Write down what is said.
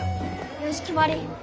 よしきまり！